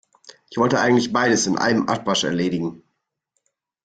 Ich wollte eigentlich beides in einem Abwasch erledigen.